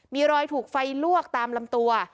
มีรอยถูกไฟลวกตามลำตัว